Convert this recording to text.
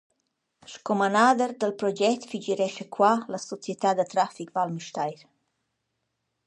Sco manader dal proget figürescha qua la Società da trafic Val Müstair.